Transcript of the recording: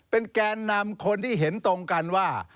แกนนำคนที่เห็นตรงกันว่า